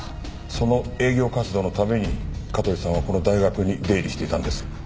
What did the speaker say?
その営業活動のために香取さんはこの大学に出入りしていたんです。